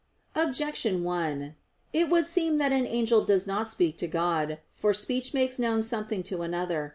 Objection 1: It would seem that an angel does not speak to God. For speech makes known something to another.